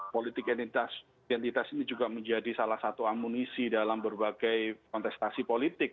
politik identitas ini juga menjadi salah satu amunisi dalam berbagai kontestasi politik